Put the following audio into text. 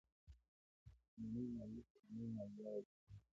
شتمنيو ماليې کلنۍ ماليه وضعه کړي.